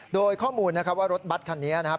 โดยข้อมูลนะครับว่ารถบัตรคันนี้นะครับ